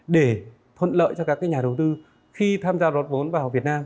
để thuận lợi cho các nhà đầu tư khi tham gia rót vốn vào việt nam